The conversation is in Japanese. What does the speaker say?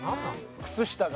靴下が？